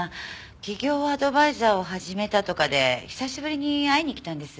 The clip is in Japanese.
起業アドバイザーを始めたとかで久しぶりに会いに来たんです。